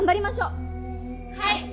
はい。